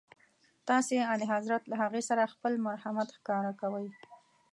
تاسي اعلیحضرت له هغې سره خپل مرحمت ښکاره کوئ.